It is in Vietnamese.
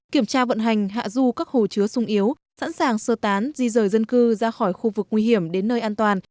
kiểm tra vận hành hạ du các hồ chứa sung yếu sẵn sàng sơ tán di rời dân cư ra khỏi khu vực nguy hiểm đến nơi an toàn